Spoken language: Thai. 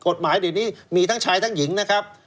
กฎหมายเดี๋ยวนี้มีทั้งชายทั้งหญิงนะครับ